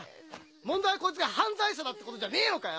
問題はこいつが犯罪者だってことじゃねえのかよ！